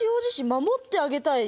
「守ってあげたい」